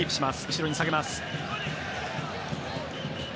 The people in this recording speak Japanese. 後ろに下げます。